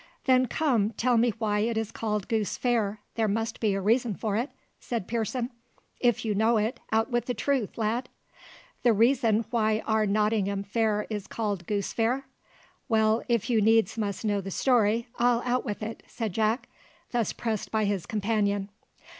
"Then come, tell me why it is called Goose Fair: there must be a reason for it," said Pearson. "If you know it, out with the truth, lad." "The reason why our Nottingham Fair is called Goose Fair? Well, if you needs must know the story, I'll out with it," said Jack, thus pressed by his companion.